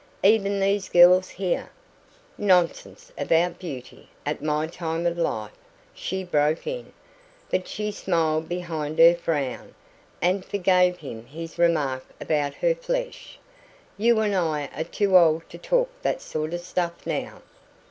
Even these girls here " "Nonsense about beauty at my time of life," she broke in; but she smiled behind her frown, and forgave him his remark about her flesh. "You and I are too old to talk that sort of stuff now."